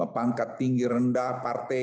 pangkat tinggi rendah partai